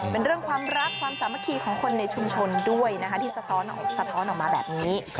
เป็นเรื่องความรักความสามัคคีของคนในชุมชนด้วยนะคะที่สะท้อนออกมาแบบนี้